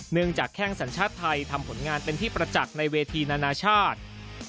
จากแข้งสัญชาติไทยทำผลงานเป็นที่ประจักษ์ในเวทีนานาชาติ